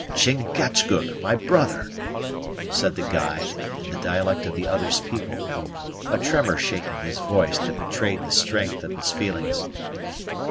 "Chingachgook my brother!" said the guide in the dialect of the other's people, a tremor shaking his voice that betrayed the strength of his feelings.